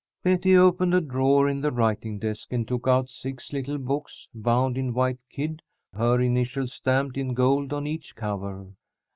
Betty opened a drawer in the writing desk and took out six little books, bound in white kid, her initials stamped in gold on each cover.